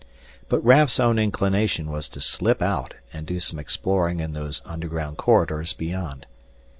But Raf's own inclination was to slip out and do some exploring in those underground corridors beyond.